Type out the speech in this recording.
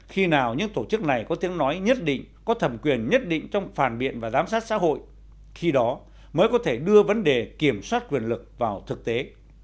khi nào những tổ chức này có tiếng nói nhất định có thẩm quyền nhất định trong phản biện và giám sát xã hội khi đó mới có thể đưa vấn đề kiểm soát quyền lực vào thực tế